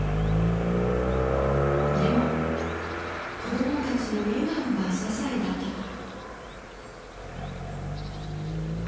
でも子供たちの笑顔が支えだったから。